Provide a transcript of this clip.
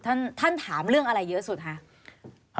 ท่านถามเรื่องอะไรเยอะสุดคะ